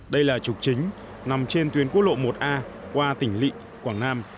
đây là trục chính nằm trên tuyến quốc lộ một a qua tỉnh lị quảng nam